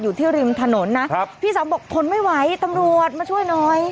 อยู่ที่ริมถนนนะพี่สามบอกคนไม่ไหวตำรวจมาช่วยหน่อย